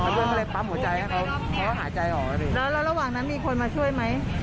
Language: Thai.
เพื่อนก็เลยปั๊มหัวใจให้เขาเขาก็หายใจออกแล้วดิแล้วแล้วระหว่างนั้นมีคนมาช่วยไหม